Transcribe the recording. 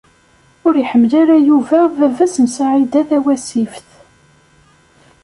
Ur iḥemmel ara Yuba baba-s n Saɛida Tawasift.